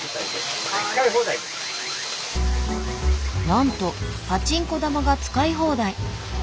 なんとパチンコ玉が使い放題。